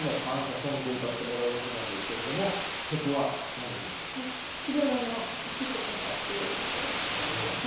ソングを歌ってもらうわけなんですがＫｉｒｏｒｏの「生きてこそ」という曲です。